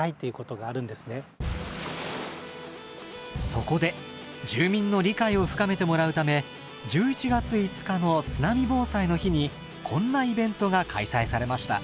そこで住民の理解を深めてもらうため１１月５日の「津波防災の日」にこんなイベントが開催されました。